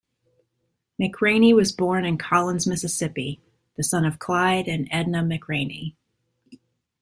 McRaney was born in Collins, Mississippi, the son of Clyde and Edna McRaney.